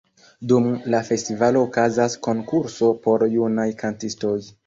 Dum la festivalo okazas konkurso por junaj kantistoj.